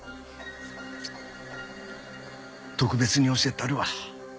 特別に教えたるわ。